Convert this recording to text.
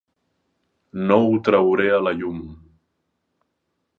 No ho trauré a la llum.